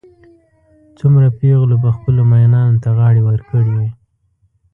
څومره پېغلو به خپلو مئینانو ته غاړې ورکړې وي.